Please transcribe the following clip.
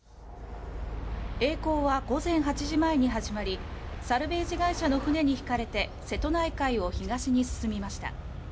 えい航は午前８時前に始まりサルベージ会社の船に引かれて瀬戸内海を東に進みました。